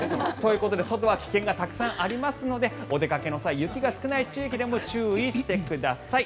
外は危険がたくさんありますのでお出かけの際雪が少ない地域でも注意してください。